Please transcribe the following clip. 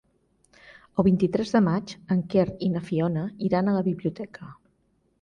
El vint-i-tres de maig en Quer i na Fiona iran a la biblioteca.